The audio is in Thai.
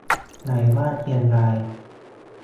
ไหนว่าเชียงราย